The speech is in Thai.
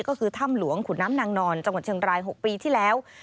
ก็คือถ้ำหลวงขุนน้ำนางนอนจังหวัดเชียงราย๖ปีที่แล้ว